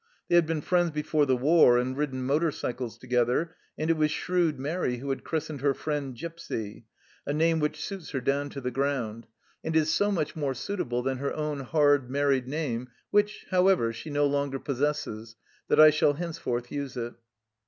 They had been friends before the war, and ridden motor cycles together, and it was shrewd Mairi who had christened her friend " Gipsy," a name which suits her down to 6 THE CELLAR HOUSE OF PERVYSE the ground, and is so much more suitable than her own hard married name (which, however, she no longer possesses) that I shall henceforth use it.